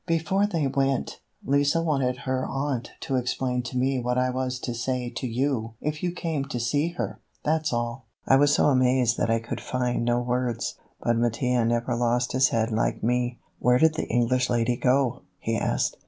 Before they went, Lise wanted her aunt to explain to me what I was to say to you if you came to see her. That's all." I was so amazed that I could find no words. But Mattia never lost his head like me. "Where did the English lady go?" he asked.